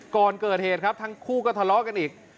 ก่อนเกิดเหตุครับทั้งคู่ก็ทะเลาะกันอีก